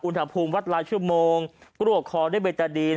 อุณหภูมิวัดลายชั่วโมงกรวกคอด้วยเบตาดีน